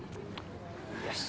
よし！